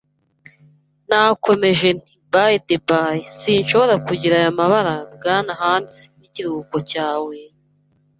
Nakomeje nti: "By the by, sinshobora kugira aya mabara, Bwana Hands; n'ikiruhuko cyawe,